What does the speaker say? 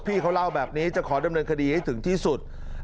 พี่เขาเล่าแบบนี้จะขอดำเนินคดีให้ถึงที่สุด